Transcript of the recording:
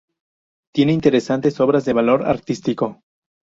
Tiene interesantes obras de valor artístico.